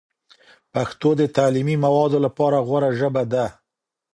پښتو د تعلیمي موادو لپاره غوره ژبه ده.